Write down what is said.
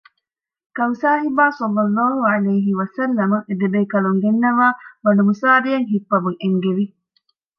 ކައުސާހިބާ ޞައްލަﷲ ޢަލައިހި ވަސައްލަމަ އެދެބޭކަލުން ގެންނަވައި ބަނޑުމުސާރަޔަށް ހިއްޕަވަން އެންގެވި